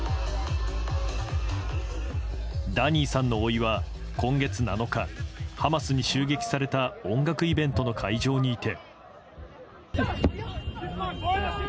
ダニーさんのおいは、今月７日ハマスに襲撃された音楽イベントの会場にいて。